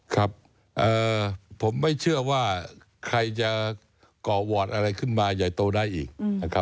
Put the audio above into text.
ครับผมไม่เชื่อว่าใครจะก่อวอร์ดอะไรขึ้นมาใหญ่โตได้อีกนะครับ